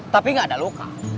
tapi gak ada luka